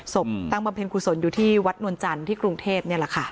ศพตั้งบำเพ็ญคุณสนอยู่ที่วัดนวลจันทร์ที่กรุงเทพฯ